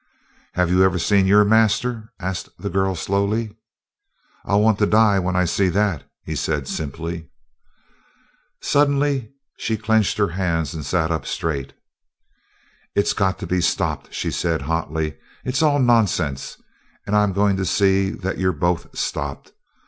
"Have you ever seen your master?" asked the girl slowly. "I'll want to die when I see that," he said simply. Suddenly she clenched her hands and sat straight up. "It's got to be stopped," she said hotly. "It's all nonsense, and I'm going to see that you're both stopped."